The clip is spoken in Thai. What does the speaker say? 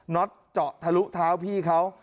็อตเจาะทะลุเท้าพี่เขา